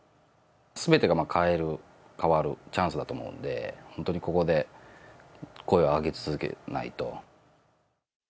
すべてを変える、変わるチャンスだと思うんで、本当にここで声を上げ続けないと。